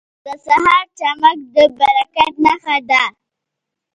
• د سهار چمک د برکت نښه ده.